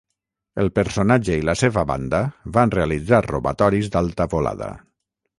El personatge i la seva banda van realitzar robatoris d'alta volada.